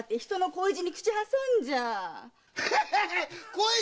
恋路！